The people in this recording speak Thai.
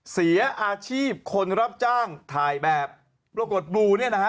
เสียอาชีพคนรับจ้างถ่ายแบบปรากฏบลูเนี่ยนะฮะ